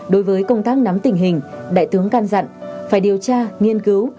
đối với công tác nắm tình hình đại tướng can dặn phải điều tra nghiên cứu